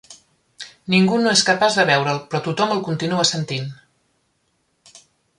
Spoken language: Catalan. Ningú no és capaç de veure'l, però tothom el continua sentint!